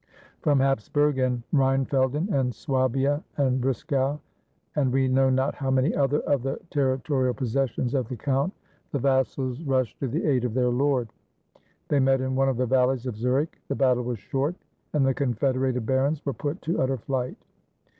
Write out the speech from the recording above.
From Hapsburg, and Rheinfelden, and Suabia, and Brisgau, and we know not how many other of the territorial possessions of the count, the vassals rushed to the aid of their lord. They met in one of the valleys of Zurich. The battle was short, and the confederated barons were put to utter flight.